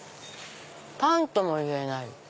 パンともいえない。